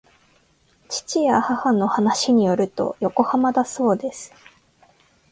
父や母の話によると横浜だそうです